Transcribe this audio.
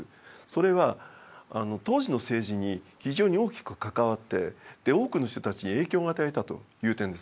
それは当時の政治に非常に大きく関わって多くの人たちに影響を与えたという点ですね。